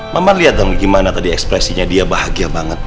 mama liat dong gimana tadi ekspresinya dia bahagia banget